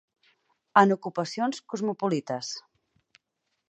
En ocupacions cosmopolites.